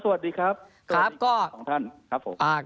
สวัสดีครับ